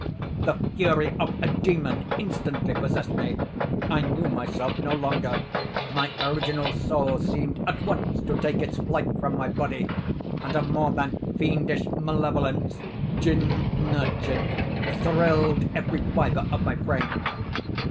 The fury of a demon instantly possessed me. I knew myself no longer. My original soul seemed, at once, to take its flight from my body and a more than fiendish malevolence, gin nurtured, thrilled every fibre of my frame.